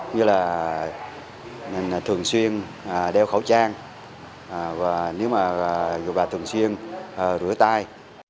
như là thường xuyên đeo khẩu trang và thường xuyên rửa tay